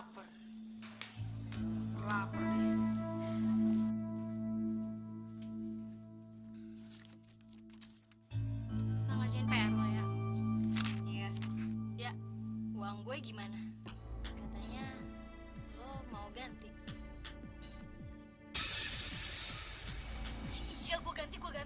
pak kak fatimanya kan gak ada pak